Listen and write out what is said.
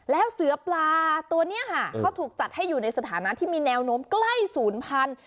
แล้วเสือปลาตัวนี้ค่ะเขาถูกจัดให้อยู่ในสถานะที่มีแนวโน้มใกล้ศูนย์พันธุ